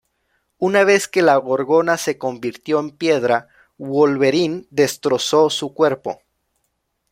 Una vez que la Gorgona se convirtió en piedra, Wolverine destrozó su cuerpo.